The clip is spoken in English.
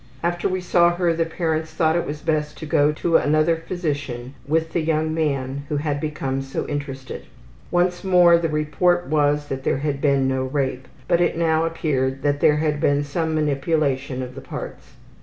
After we saw her the parents thought it was best to go to another physician with the young man who had become so interested. Once more the report was that there had been no rape, but it now appeared that there had been some manipulation of the parts.